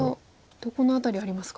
どこの辺りありますか？